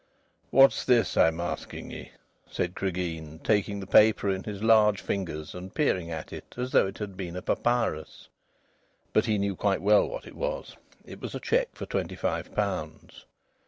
"What's this, I'm asking ye?" said Cregeen, taking the paper in his large fingers and peering at it as though it had been a papyrus. But he knew quite well what it was. It was a cheque for twenty five pounds.